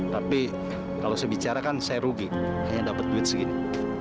tapi kalau saya bicara kan saya rugi hanya dapat duit segini